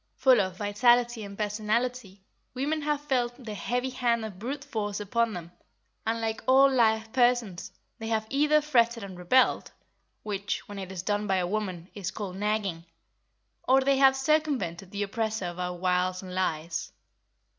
Full of vitality and personality, women have felt the heavy hand of brute force upon them, and like all live persons, they have either fretted and rebelled (which, when it is done by a woman, is called nagging), or they have circumvented the oppressor by wiles and lies.